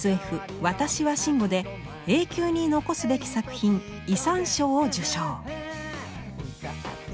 「わたしは真悟」で永久に残すべき作品「遺産賞」を受賞。